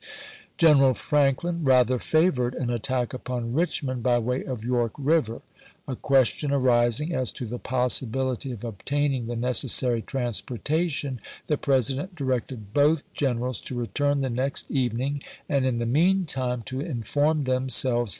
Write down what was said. General Franklin rather favored an attack upon Richmond by way of York River. A question arising as to the possibility of obtain ing the necessary transportation, the President directed both generals to return the next even PLANS OF CAMPAIGN 157 ing, and in the mean time to inform themselves chap.